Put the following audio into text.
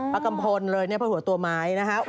อ๋อประกัมพลเลยเนี่ยพาดหัวตัวไม้นะครับ